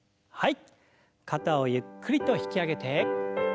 はい。